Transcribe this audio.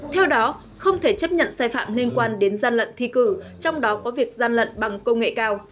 theo đó không thể chấp nhận sai phạm liên quan đến gian lận thi cử trong đó có việc gian lận bằng công nghệ cao